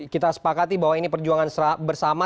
kita sepakati bahwa ini perjuangan bersama